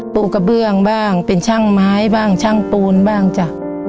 ลูกกระเบื้องบ้างเป็นช่างไม้บ้างช่างปูนบ้างจ้ะ